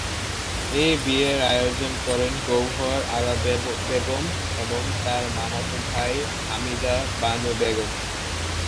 এই বিয়ের আয়োজন করেন গওহর আরা বেগম এবং তার মামাতো ভাই হামিদা বানু বেগম।